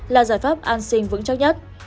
là giải pháp an sinh vững chắc nhất